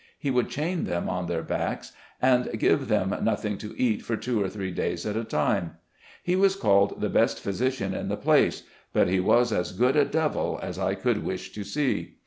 He would chain them on their backs, and give them nothing to eat for two or three days at a time. He was called the best physician in 174 SKETCHES OF SLAVE LIFE. the place, but he was as good a devil as I should wish to see.